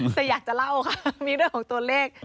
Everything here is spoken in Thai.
แต่อยากจะเล่าค่ะมีเรื่องของตัวเลข